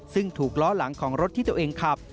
ซึ่งถูกล้อหลังของรถที่ตัวเองขับ